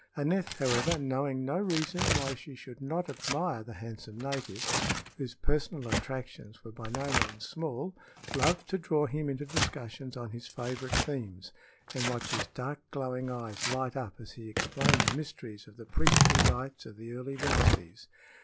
Aneth, however, knowing no reason why she should not admire the handsome native, whose personal attractions were by no means small, loved to draw him into discussions on his favorite themes and watch his dark, glowing eyes light up as he explained the mysteries of the priestly rites of the early dynasties.